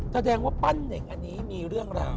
แสดงว่าปั้นเน่งอันนี้มีเรื่องราว